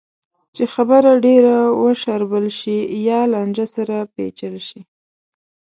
چې خبره ډېره وشاربل شي یا لانجه سره پېچل شي.